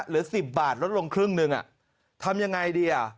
เหลือ๑๐บาทลดลงครึ่งหนึ่งทำยังไงดีอ่ะ